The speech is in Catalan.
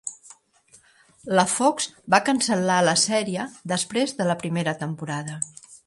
La Fox va cancel·lar la sèrie després de la primera temporada.